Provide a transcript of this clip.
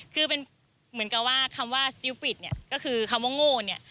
คือเป็นเหมือนกับว่าคำว่าสติลปิดเนี่ยก็คือคำว่าโง่เนี่ย